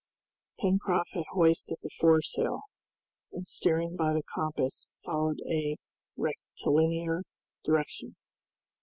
Pencroft had hoisted the foresail, and steering by the compass followed a rectilinear direction.